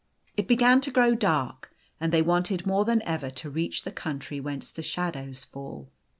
It began to grow dark. And they wanted more than ever to reach the country whence the shadows fall.